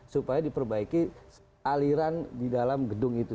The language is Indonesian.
supaya diperbaiki aliran di dalam gedung itu